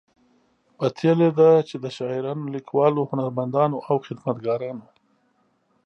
پتیلې ده چې د شاعرانو، لیکوالو، هنرمندانو او خدمتګارانو